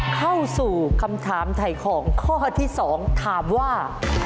เข้าสู่คำถามถ่ายของข้อที่๒ถามว่า